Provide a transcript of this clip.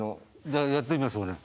じゃあやってみましょうね。